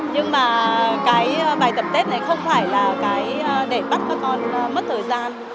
nhưng mà cái bài tập tết này không phải là cái để bắt các con mất thời gian